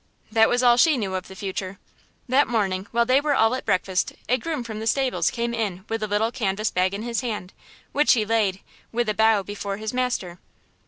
That was all she knew of the future! That morning while they were all at breakfast a groom from the stables came in with a little canvas bag in his hand, which he laid, with a bow, before his master.